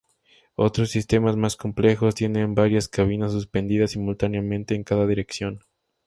Otros sistemas más complejos tienen varias cabinas suspendidas simultáneamente en cada dirección.